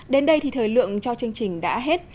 đến đây thì thời lượng cho chương trình đã hết